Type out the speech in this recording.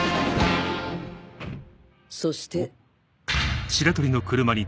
そしてん？